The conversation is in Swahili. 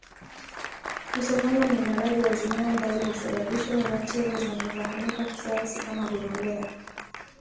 Kisonono ni maradhi ya zinaa ambayo husababishwa na bakteria zinazofahamika kisayansi kama gonolea